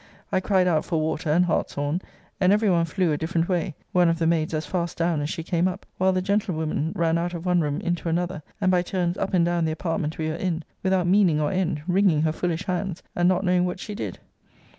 I cried out for water and hartshorn, and every one flew a different way, one of the maids as fast down as she came up; while the gentlewoman ran out of one room into another, and by turns up and down the apartment we were in, without meaning or end, wringing her foolish hands, and not knowing what she did.